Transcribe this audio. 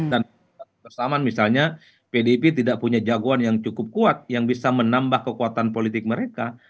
dan bersamaan misalnya pdip tidak punya jagoan yang cukup kuat yang bisa menambah kekuatan politik mereka